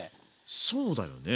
そうだよね。